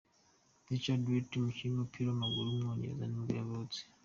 Richard Wright, umukinnyi w’umupira w’amaguru w’umwongereza nibwo yavutse.